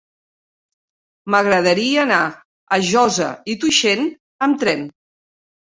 M'agradaria anar a Josa i Tuixén amb tren.